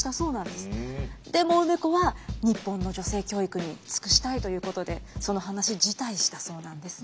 でも梅子は日本の女性教育に尽くしたいということでその話辞退したそうなんですね。